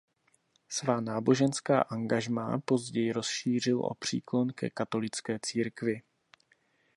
Svá náboženská angažmá později rozšířil o příklon ke katolické církvi.